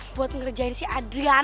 buat ngerjain si adriana